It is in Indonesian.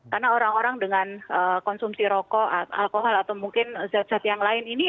karena orang orang dengan konsumsi rokok alkohol atau mungkin zat zat yang lain ini